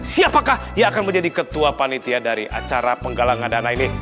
siapakah yang akan menjadi ketua panitia dari acara penggalangan dana ini